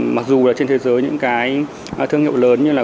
mặc dù là trên thế giới những cái thương hiệu lớn như là